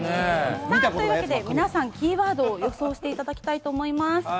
皆さん、キーワードを予想していただきたいと思います。